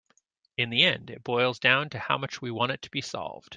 In the end it boils down to how much we want it to be solved.